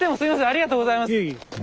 ありがとうございます皆さん。